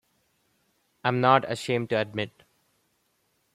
I'm not ashamed to admit.